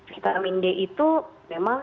vitamin d itu memang